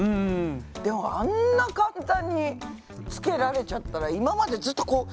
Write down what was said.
でもあんな簡単につけられちゃったら今までずっとこう火花で。